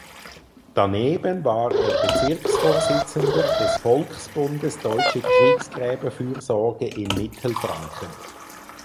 Daneben war er Bezirksvorsitzender des Volksbundes Deutsche Kriegsgräberfürsorge in Mittelfranken.